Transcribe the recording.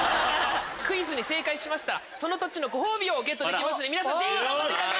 クイズに正解したらその土地のご褒美をゲットできますので皆さんぜひ頑張ってください。